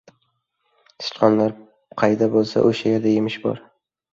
• Sichqonlar qayda bo‘lsa, o‘sha yerda yemish bor.